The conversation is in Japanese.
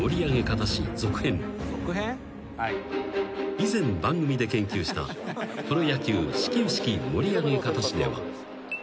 ［以前番組で研究したプロ野球始球式盛り上げ方史では］